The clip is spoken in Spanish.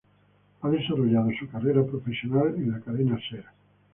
Ha desarrollado su carrera profesional en la Cadena Ser.